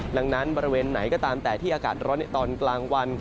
ดังนั้นบริเวณไหนก็ตามแต่ที่อากาศร้อนในตอนกลางวัน